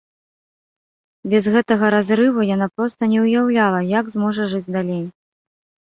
Без гэтага разрыву яна проста не ўяўляла, як зможа жыць далей.